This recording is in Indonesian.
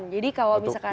jadi kalau misalkan